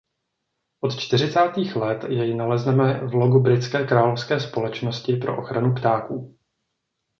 Od čtyřicátých let jej nalezneme v logu britské Královské společnosti pro ochranu ptáků.